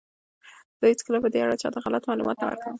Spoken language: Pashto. زه هیڅکله په دې اړه چاته غلط معلومات نه ورکوم.